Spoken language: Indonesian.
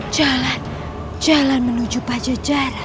jalan jalan menuju pancajaran